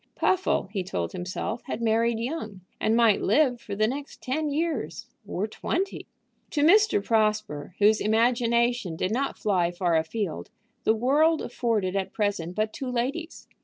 Puffle, he told himself, had married young, and might live for the next ten years, or twenty. To Mr. Prosper, whose imagination did not fly far afield, the world afforded at present but two ladies.